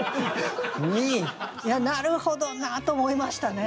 なるほどなと思いましたね。